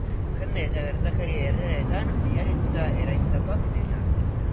Jende eta gertakari errealetan oinarrituta eraikitakoak denak.